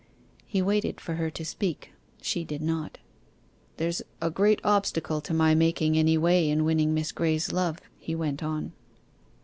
He waited for her to speak: she did not. 'There's a great obstacle to my making any way in winning Miss Graye's love,' he went on.